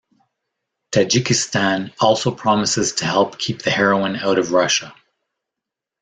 Tajikistan also promises to help keep the heroin out of Russia.